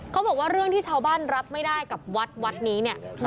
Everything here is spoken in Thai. เขาบอกว่าเรื่องที่ชาวบ้านรับไม่ได้กับวัดวัดนี้เนี่ย